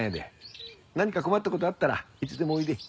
何か困った事あったらいつでもおいで。